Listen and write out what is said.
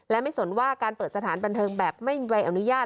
และไม่สนว่าการเปิดสถานประณฑ์แบบไม่มีวัยอนุญาต